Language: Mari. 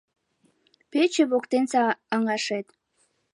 Пече воктенсе аҥашет